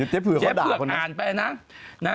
เจ๊เผือกอ่านไปนะ